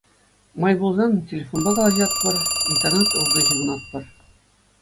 Май пулсанах телефонпа калаҫатпӑр, интернет урлӑ ҫыхӑнатпӑр.